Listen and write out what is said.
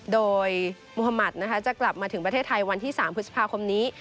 โดยมุธมัติจะกลับมาถึงประเทศไทยวันที่๓พฤษภาคมนี้